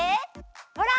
ほら！